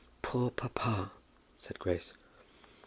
"Poor papa," said Grace.